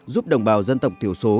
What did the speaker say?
giúp đồng bào dân tộc thiểu số